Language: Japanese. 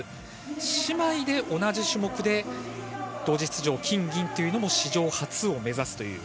姉妹で同じ種目で同時出場金銀というのも史上初を目指すという。